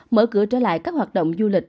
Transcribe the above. mở cửa trở lại các hoạt động du lịch